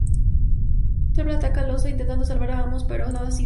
Toby ataca Al Oso intentando salvar a Amos pero nada sirve.